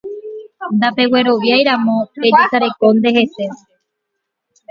Ndapegueroviáiramo pejesarekónte hese